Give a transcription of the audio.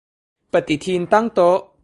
ปฏิทินตั้งโต๊ะ